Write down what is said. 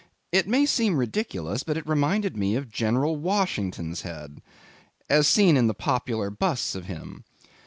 It may seem ridiculous, but it reminded me of General Washington's head, as seen in the popular busts of him.